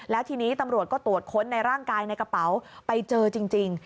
แล้วทีนี้ตำรวจก็ตรวจค้นในร่างกายในกระเป๋าไปเจอจริง